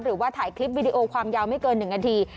หรือว่าถ่ายคลิปวิดีโอความยาวไม่เกิน๑นาที